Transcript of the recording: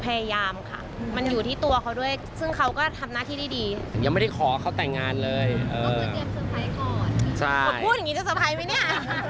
พูดอย่างงี้จะสะพายไหมเนี่ย